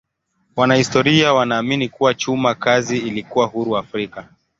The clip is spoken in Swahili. Wanahistoria wanaamini kuwa chuma kazi ilikuwa huru Afrika.